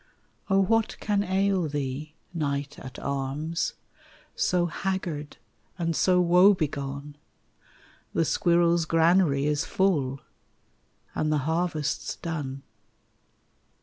what can ail thee, knight at arms So haggard and so woe begone? The squirrel's granary is full, And the harvest's done.